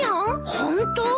ホント？